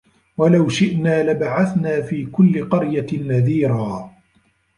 وَلَو شِئنا لَبَعَثنا في كُلِّ قَريَةٍ نَذيرًا